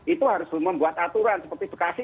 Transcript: itu harus membuat aturan seperti bekasi